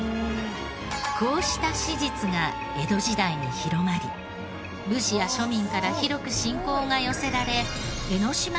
こうした史実が江戸時代に広まり武士や庶民から広く信仰が寄せられ。